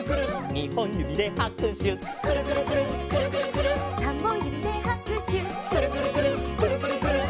「にほんゆびではくしゅ」「くるくるくるっくるくるくるっ」「さんぼんゆびではくしゅ」「くるくるくるっくるくるくるっ」